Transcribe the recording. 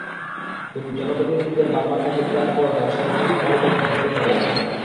কিন্তু জনপ্রতিনিধিদের বারবার তাগিদ দেওয়ার পরও তাঁরা সময়মতো তালিকা জমা দিতে পারেননি।